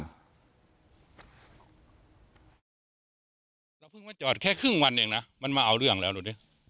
เราเพิ่งมาจอดแค่ครึ่งวันเองนะมันมาเอาเรื่องแล้วดูดิ